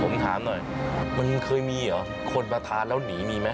ผมถามหน่อยมันเคยมีเหรอคนมาทานแล้วหนีมีไหม